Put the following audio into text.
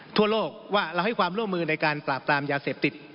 ทั่วโลกว่าเราให้ความร่วมมือในการปราบปรามยาเสพติด